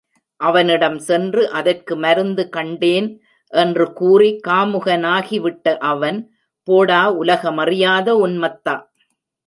அவனிடமே சென்று, அதற்கு மருந்து கண்டேன்! என்று கூறி, காமுகனாகி விட்ட அவன், போடா உலகமறியாத உன்மத்தா!